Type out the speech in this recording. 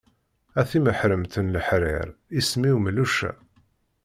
A timeḥremt n leḥrir, isem-im melluca.